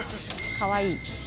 かわいい。